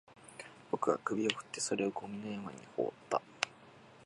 僕は首を振って、それをゴミの山に放った